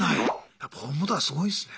やっぱホームドアすごいですね。